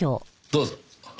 どうぞ。